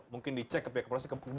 mungkin dicek ke pihak kepolisian